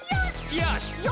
「よし！」